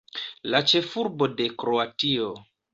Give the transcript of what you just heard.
La ĉefurbo de Kroatio.